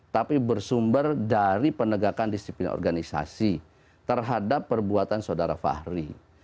tapi bersumber dari penegakan disiplin organisasi terhadap perbuatan saudara fahri